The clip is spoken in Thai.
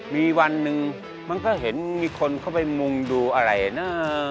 มีวันหนึ่งมันก็เห็นมีคนเข้าไปมุงดูอะไรนะ